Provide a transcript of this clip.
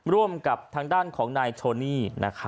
ร่วมกับทางด้านของนายโชนี่